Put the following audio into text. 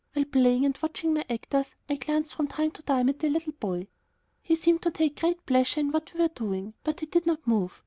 While playing and watching my actors, I glanced from time to time at the little boy. He seemed to take great pleasure in what we were doing, but he did not move.